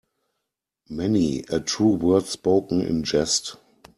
Many a true word spoken in jest.